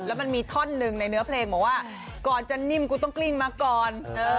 แล้วมันมีท่อนหนึ่งในเนื้อเพลงบอกว่าก่อนจะนิ่มกูต้องกลิ้งมาก่อน